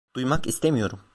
Duymak istemiyorum.